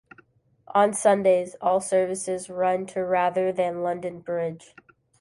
On Sundays all services run to rather than London Bridge.